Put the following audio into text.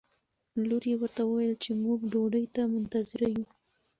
لور یې ورته وویل چې موږ ډوډۍ ته منتظره یو.